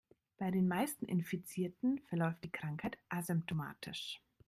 Bei den meisten Infizierten verläuft die Krankheit asymptomatisch.